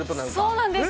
◆そうなんです。